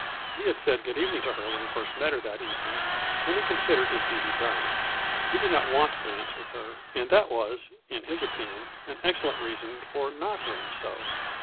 He had said good evening to her when he first met her that evening, and he considered his duty done. He did not want to dance with her, and that was, in his opinion, an excellent reason for not doing so.